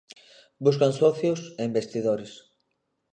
Buscan socios e investidores.